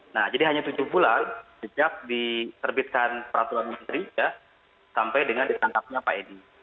nah jadi hanya tujuh bulan sejak diterbitkan peraturan menteri ya sampai dengan ditangkapnya pak edi